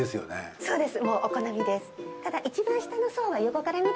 そうですね